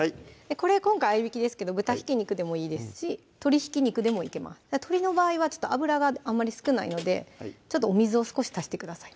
これ今回合いびきですけど豚ひき肉でもいいですし鶏ひき肉でもいけます鶏の場合はちょっと脂があんまり少ないのでちょっとお水を少し足してください